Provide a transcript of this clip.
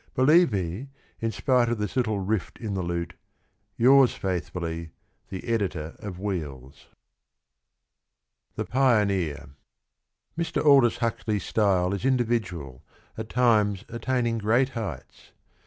Believe me, in spite of tins little rift in the lute, Yours faithfully, The Editor of WHEELS. THE PIONEER. Mr. Aldous Huxley's style is individual, at times attaining great heights.